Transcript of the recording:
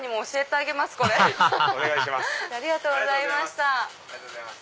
ありがとうございます。